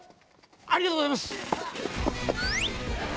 ありがとうございます！